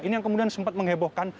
ini yang kemudian sempat menghebohkan